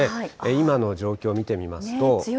今の状況見てみますと。